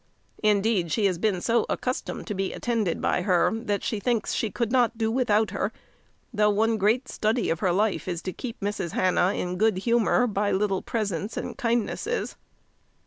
Indeed, she has been so accustomed to be attended by her, that she thinks she could not do without her; though one great study of her life is to keep Mrs. Hannah in good humour, by little presents and kindnesses.